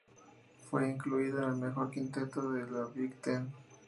Fue incluido en el Mejor Quinteto de la Big Ten.